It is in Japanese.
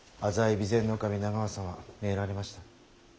備前守長政様参られました。